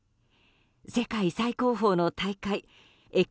世界最高峰の大会Ｘ